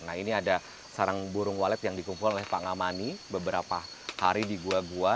nah ini ada sarang burung walet yang dikumpul oleh pak ngamani beberapa hari di gua gua